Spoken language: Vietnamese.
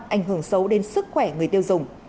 anh hưởng xấu đến sức khỏe người tiêu dùng